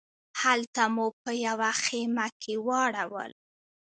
هلته مو په یوه خیمه کې واړول.